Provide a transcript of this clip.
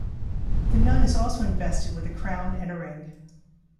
The nun is also invested with a crown and a ring.